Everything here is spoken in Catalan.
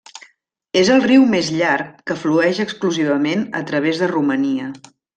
És el riu més llarg que flueix exclusivament a través de Romania.